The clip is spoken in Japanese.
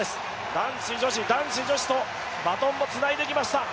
男子、女子、男子、女子とバトンをつないできました。